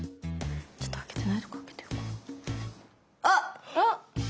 ちょっと開けてないとこ開けていこう。